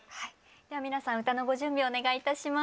では皆さん歌のご準備をお願いいたします。